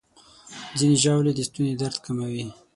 ځینې ژاولې د ستوني درد کموي.